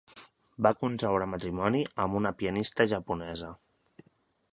Va contraure matrimoni amb una pianista japonesa.